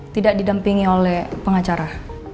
tidak didampingi oleh pengacara